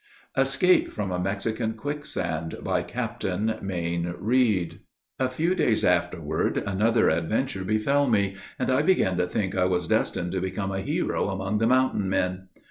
ESCAPE FROM A MEXICAN QUICKSAND BY CAPTAIN MAYNE REID. A few days afterward, another adventure befell me; and I began to think I was destined to become a hero among the "mountain men."